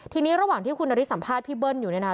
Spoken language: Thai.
ทีนี้ระหว่างที่คุณนฤทสัมภาษณ์พี่เบิ้ลอยู่เนี่ยนะคะ